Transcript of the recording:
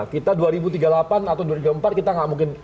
kita dua ribu tiga puluh delapan atau dua ribu empat kita nggak mungkin